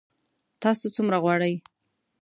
تاسو څومره غواړئ؟